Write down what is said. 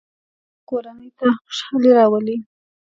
• خندا کورنۍ ته خوشحالي راولي.